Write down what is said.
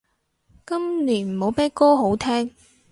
今年冇咩歌好聼